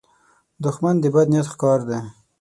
دښمن د بد نیت ښکار دی